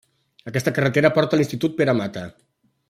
Aquesta carretera porta a l'Institut Pere Mata.